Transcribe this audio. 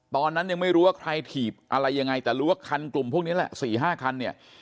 ตอนนั้นยังไม่รู้ว่าใครถีบอะไรยังไงแต่รู้ว่าคันกลุ่มพวกนี้แหละ๔๕คันเนี่ย